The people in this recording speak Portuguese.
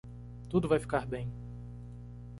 Tudo vai ficar bem.